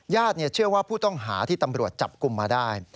เชื่อว่าผู้ต้องหาที่ตำรวจจับกลุ่มมาได้